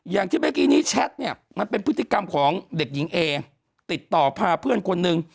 อย่างที่เมื่อกี้นี้แชทเนี่ยมันเป็นพฤติกรรมของเด็กหญิงเอติดต่อพาเพื่อนคนหนึ่ง